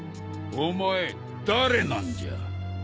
お前誰なんじゃ？